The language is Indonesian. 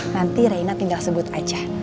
nanti rena tinggal sebut aja